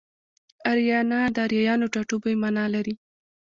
اریانا د اریایانو ټاټوبی مانا لري